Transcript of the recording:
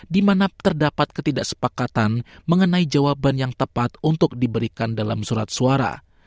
di mana terdapat ketidaksepakatan mengenai jawaban yang tepat untuk diberikan dalam surat suara